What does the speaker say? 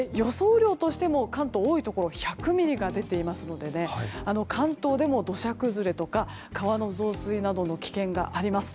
雨量としても関東多いところ１００ミリが出ていますので関東でも土砂崩れとか川の増水などの危険があります。